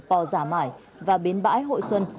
pò giả mải và bến bãi hội xuân